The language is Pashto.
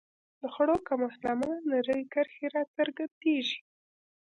د خوړو کمښت له امله نرۍ کرښې راڅرګندېږي.